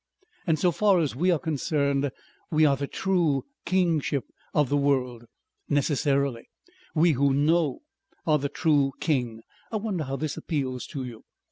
And so far as we are concerned, we are the true kingship of the world. Necessarily. We who know, are the true king....I wonder how this appeals to you.